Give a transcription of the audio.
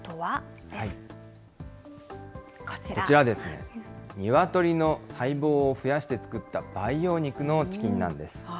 こちらですね、ニワトリの細胞を増やして作った培養肉のチキンなんです。